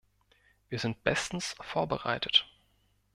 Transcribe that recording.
Wir sind bestens vorbereitet.